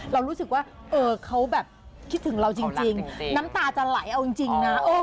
เรารู้สึกว่าเออเขาแบบคิดถึงเราจริง